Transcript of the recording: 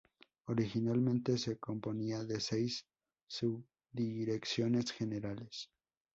Originalmente se componía de seis subdirecciones generales.